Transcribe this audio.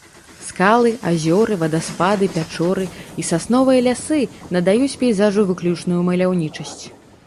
Скалы, азёры, вадаспады, пячоры і сасновыя лясы надаюць пейзажу выключную маляўнічасць.